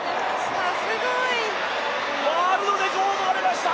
ワールドレコードが出ました！